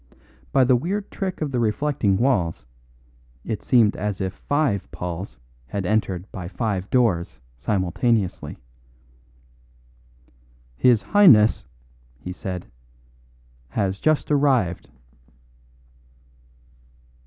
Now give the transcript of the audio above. By the weird trick of the reflecting walls, it seemed as if five Pauls had entered by five doors simultaneously. "His Highness," he said, "has just arrived."